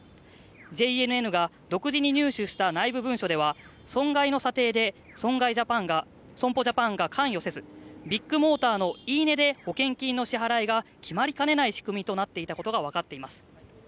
ＪＮＮが独自に入手した内部文書では損害の査定で損保ジャパンが関与せずビッグモーターのいい子で保険金の支払いが決まりかねない仕組みとなっていたことが分かっています